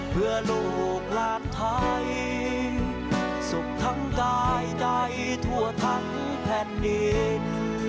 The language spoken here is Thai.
เพื่อลูกหลานไทยสุขทั้งกายใดทั่วทั้งแผ่นดิน